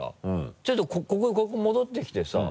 ちょっとここに戻って来てさ